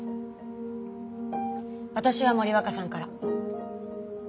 私は森若さんから。